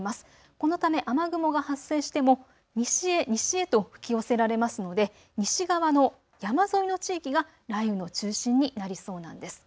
このため雨雲が発生しても西へ西へと吹き寄せられますので西側の山沿いの地域が雷雨の中心になりそうなんです。